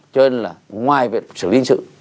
cho nên là ngoài việc xử lý sự